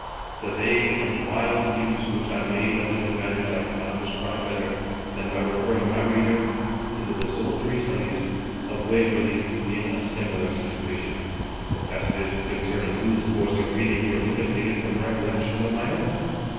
The vague and wild use which I made of this advantage I cannot describe better than by referring my reader to the desultory studies of Waverley in a similar situation, the passages concerning whose course of reading were imitated from recollections of my own.